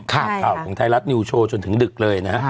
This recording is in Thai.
ข่าวของไทยรัฐนิวโชว์จนถึงดึกเลยนะฮะ